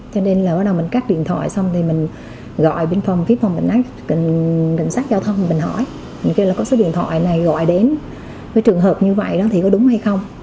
cho nên là ở đầu mình cắt điện thoại xong thì mình gọi phía phòng cảnh sát giao thông mình hỏi mình kêu là có số điện thoại này gọi đến với trường hợp như vậy đó thì có đúng hay không